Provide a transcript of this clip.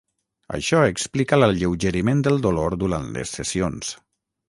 Això explica l'alleugeriment del dolor durant les sessions.